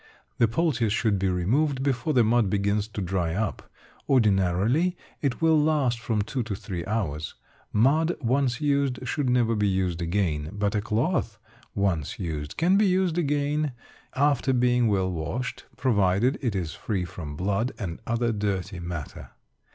The poultice should be removed before the mud begins to dry up; ordinarily it will last from two to three hours. Mud once used should never be used again, but a cloth once used can be used again, after being well washed, provided it is free from blood and other dirty matter.